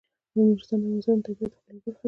نورستان د افغانستان د طبیعت د ښکلا برخه ده.